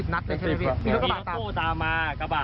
แบบที่ก็เหมือนรถเท่ามาปกติ